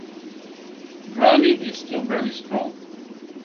Granny is still very strong.